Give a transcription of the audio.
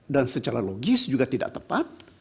dan secara logis juga tidak tepat